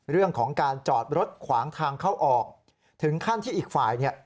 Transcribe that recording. เรื่องของการจอดรถขวางทางเข้าออกถึงขั้นที่อีกฝ่ายเนี่ย